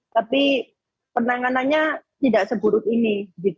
tapi penanganannya tidak seburuk ini